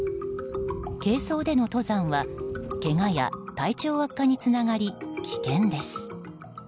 軽装での登山は、けがや体調悪化につながり危険です。